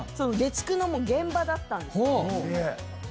月９の現場だったんです。